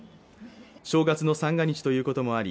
正月の三が日ということもあり